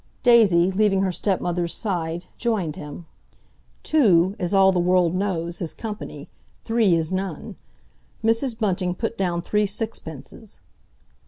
Daisy, leaving her stepmother's side, joined him. Two, as all the world knows, is company, three is none. Mrs. Bunting put down three sixpences.